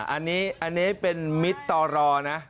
อันนี้เป็นมิตรต่อรอนะ